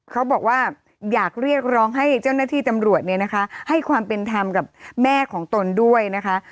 เขาบอกว่าอยากเรียกร้องให้เจ้าหน้าที่ตำรวจเนี่ยนะคะให้ความเป็นธรรมกับแม่ของตนด้วยนะคะ